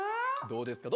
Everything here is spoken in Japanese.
どうですか？